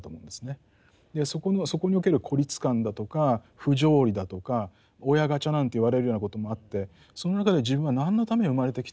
そこにおける孤立感だとか不条理だとか親ガチャなんて言われるようなこともあってその中で自分は何のために生まれてきたんだろう